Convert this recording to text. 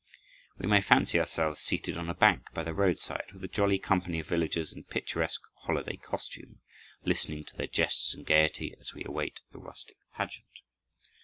We may fancy ourselves seated on a bank by the roadside, with a jolly company of villagers in picturesque holiday costume, listening to their jests and gaiety as we await the rustic pageant.